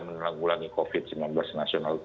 menanggulangi covid sembilan belas nasional